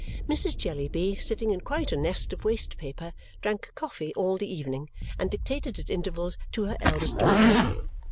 Mrs. Jellyby, sitting in quite a nest of waste paper, drank coffee all the evening and dictated at intervals to her eldest daughter.